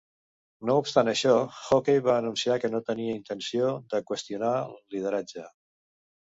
No obstant això, Hockey va anunciar que no tenia intenció de qüestionar el lideratge.